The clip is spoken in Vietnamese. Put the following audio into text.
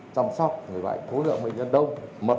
chăm sóc thối lượng bệnh nhân đông